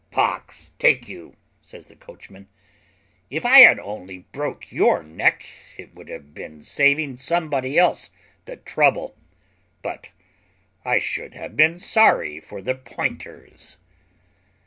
"Pox take you!" says the coachman; "if I had only broke your neck, it would have been saving somebody else the trouble; but I should have been sorry for the pointers."